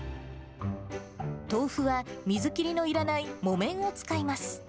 豆腐は、水切りのいらない木綿を使います。